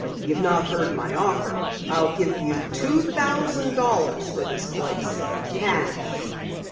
"You've not heard my offer. I'll give you two thousand dollars for this place cash."